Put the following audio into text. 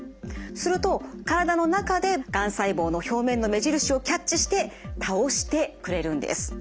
すると体の中でがん細胞の表面の目印をキャッチして倒してくれるんです。